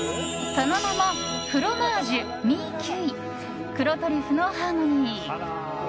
その名もフロマージュ・ミ・キュイ黒トリュフのハーモニー。